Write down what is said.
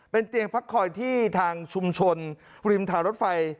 เป็นเตียงพักคอยที่ทางชุมชนริมทางรถไฟ